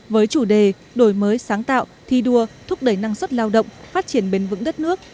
với chủ đề đổi mới sáng tạo thi đua thúc đẩy năng suất lao động phát triển bền vững đất nước